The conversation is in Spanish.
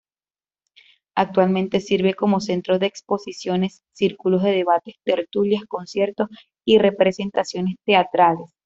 Actualmente sirve como centro de exposiciones, círculos de debate, tertulias, conciertos y representaciones teatrales.